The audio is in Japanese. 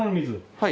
はい。